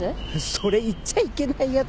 それ言っちゃいけないやつ。